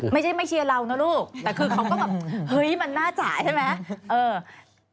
ไม่ใช่ไม่เชียร์เรานะลูกแต่คือเขาก็แบบเฮ้ยมันน่าจ่ายใช่ไหม